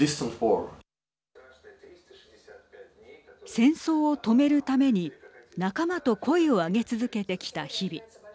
戦争を止めるために仲間と声を上げ続けてきた日々。